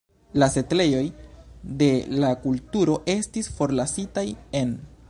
La setlejoj de la kulturo estis forlasitaj en.